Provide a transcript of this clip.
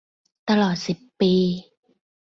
ตลอดสิบปี